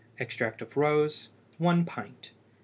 Extract of rose 1 pint.